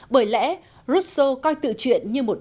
bởi lẽ rousseau coi tự truyện như một văn